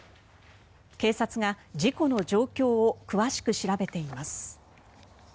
警察が事故の状況を詳しく調べています。